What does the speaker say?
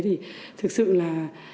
thì thực sự là